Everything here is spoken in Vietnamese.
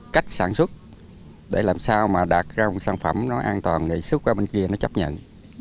cách sản xuất để làm sao mà đạt ra một sản phẩm nó an toàn đề xuất ra bên kia nó chấp nhận